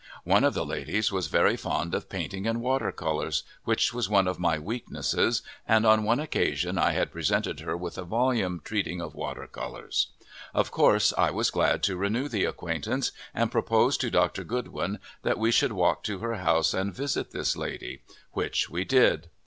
One of the ladies was very fond of painting in water colors, which was one of my weaknesses, and on one occasion I had presented her with a volume treating of water colors. Of course, I was glad to renew the acquaintance, and proposed to Dr. Goodwin that we should walk to her house and visit this lady, which we did.